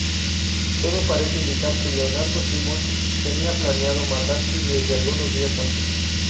Todo parece indicar que Leonardo Simons tenía planeado matarse desde algunos días antes.